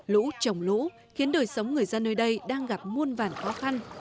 lũ trồng lũ khiến đời sống người dân nơi đây đang gặp muôn vản khó khăn